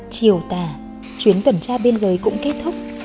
chiều tả chuyến tuẩn tra biên giới cũng kết thúc